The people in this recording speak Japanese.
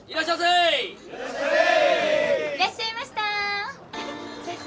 いらっしゃいませ。